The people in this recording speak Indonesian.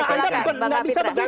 anda bukan bisa begitu